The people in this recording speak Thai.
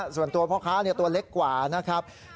พ่อค้าตัวเล็กกว่านะครับ